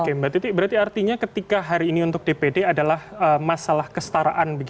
oke mbak titi berarti artinya ketika hari ini untuk dpd adalah masalah kestaraan